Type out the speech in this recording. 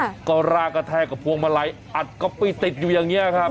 แล้วก็รากกระแทกกับพวงมาลัยอัดก๊อปปี้ติดอยู่อย่างเงี้ยครับ